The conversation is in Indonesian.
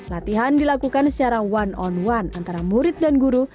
latihan dilakukan secara one on one antara murid dan guru